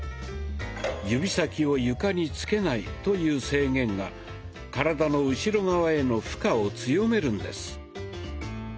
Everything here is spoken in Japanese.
「指先を床に着けない」という制限が体の後ろ側への負荷を強めるんです。